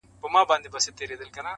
مُلا را ووزي مرد میدان سي -